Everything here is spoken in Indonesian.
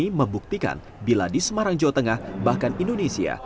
ini membuktikan bila di semarang jawa tengah bahkan indonesia